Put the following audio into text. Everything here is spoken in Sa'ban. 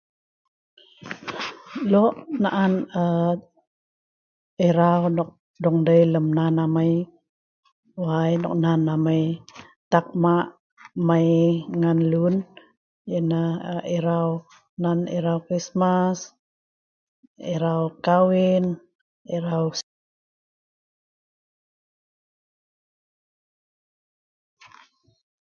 Lok na'an um erau nok dong dei lem nan amai wai nok nan amai ta'ak hmak mei ngan lun, pi neh erau, nan erau krismas, erau kahwin, erau